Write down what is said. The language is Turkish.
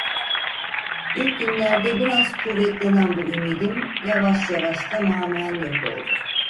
İlk günlerde biraz kuvvetlenen bu ümidim, yavaş yavaş tamamen yok oldu.